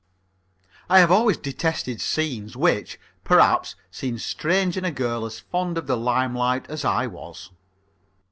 I have always detested scenes which, perhaps, seems strange in a girl as fond of the limelight as I was.